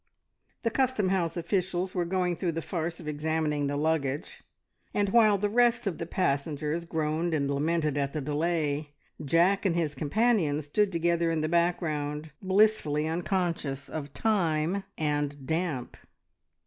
The custom house officials were going through the farce of examining the luggage, and while the rest of the passengers groaned and lamented at the delay, Jack and his companion stood together in the background, blissfully unconscious of time and damp.